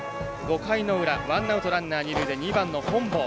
５回の裏、ワンアウトランナー、二塁で本坊。